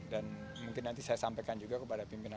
dan mungkin nanti saya sampaikan juga kepada pimpinan